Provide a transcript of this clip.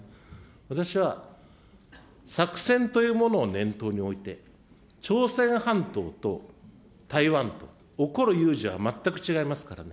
私は作戦というものを念頭に置いて、朝鮮半島と台湾と起こる有事は全く違いますからね。